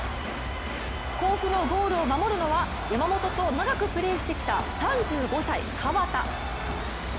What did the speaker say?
甲府のゴールを守るのは山本と長くプレーしてきた３５歳、河田。